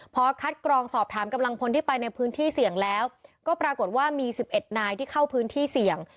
พอคัดกรองสอบถามกำลังพลที่ไปในพื้นที่เสี่ยงแล้วก็ปรากฏว่ามี๑๑นายที่เข้าพื้นที่เสี่ยง